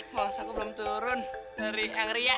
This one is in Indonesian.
masa aku belum turun dari angria